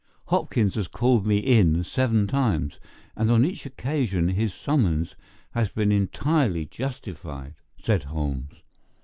"Hopkins has called me in seven times, and on each occasion his summons has been entirely justified," said Holmes.